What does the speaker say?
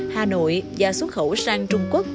hà nội và xuất khẩu sang trung quốc